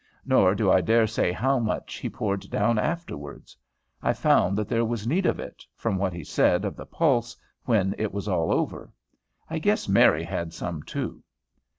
Nor do I dare say how much he poured down afterwards. I found that there was need of it, from what he said of the pulse, when it was all over. I guess Mary had some, too.